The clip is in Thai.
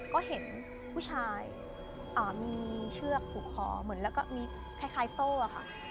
ก็เห็นผู้ชายมีเชือกผูกคอเหมือนแล้วก็มีคล้ายโซ่ค่ะ